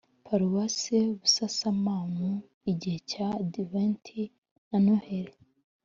paruwasi busasamanmu gihe cya adiventi na noheli